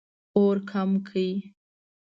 اور کم کړئ